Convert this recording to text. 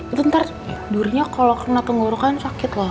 itu ntar durinya kalau kena tenggorokan sakit loh